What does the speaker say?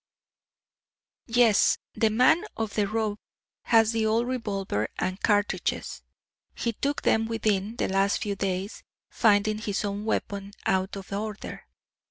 "Yes the man of the robe has the old revolver and cartridges; he took them within the last few days, finding his own weapon out of order.